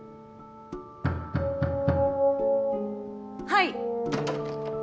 はい。